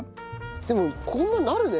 でもこんななるね。